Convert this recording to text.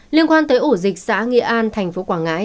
liên quan tới ổ dịch xã nghĩa an thành phố quảng ngãi